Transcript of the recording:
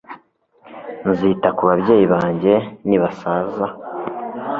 nzita ku babyeyi banjye nibasaza